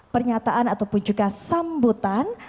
pernyataan ataupun juga sambutan